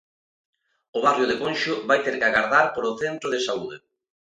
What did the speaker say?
O barrio de Conxo vai ter que agardar polo Centro de Saúde.